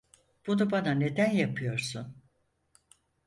Bunu bana neden yapıyorsun?